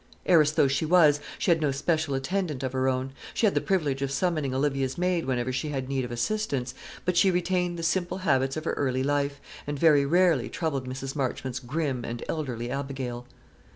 Heiress though she was, she had no special attendant of her own: she had the privilege of summoning Olivia's maid whenever she had need of assistance; but she retained the simple habits of her early life, and very rarely troubled Mrs. Marchmont's grim and elderly Abigail.